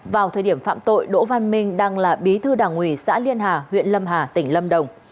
vào thời điểm phạm tội đỗ văn minh đang là bí thư đảng ủy xã liên hà huyện lâm hà tỉnh lâm đồng